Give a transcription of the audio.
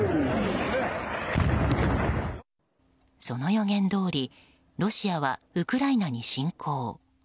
その予言どおりロシアはウクライナに侵攻。